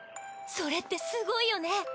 それってすごいよね。